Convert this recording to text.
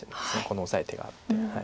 このオサえる手があって。